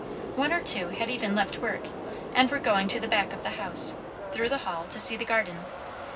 One or two had even left work, and were going to the back of the house, through the hall, to see the garden.